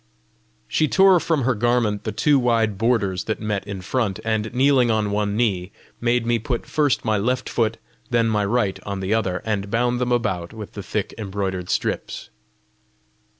She tore from her garment the two wide borders that met in front, and kneeling on one knee, made me put first my left foot, then my right on the other, and bound them about with the thick embroidered strips.